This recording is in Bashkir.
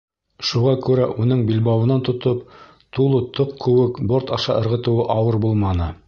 Шуға күрә уның билбауынан тотоп, тулы тоҡ кеүек борт аша ырғытыуы ауыр булманы.